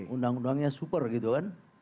undang undangnya super gitu kan